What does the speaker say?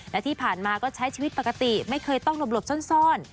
และที่ผ่านมาก็ใช้ชีวิตปกติไม่เคยต้องหลบซ่อน